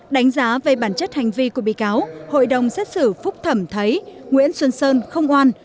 đánh giá về bản chất hành vi của bị cáo hội đồng xét xử phúc thẩm thấy nguyễn xuân sơn không oan